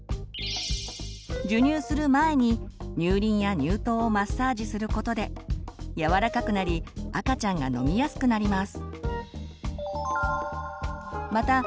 授乳する前に乳輪や乳頭をマッサージすることで柔らかくなり赤ちゃんが飲みやすくなります。